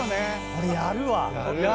これやるわ。